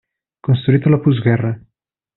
Construït a la postguerra.